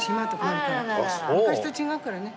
昔と違うからね。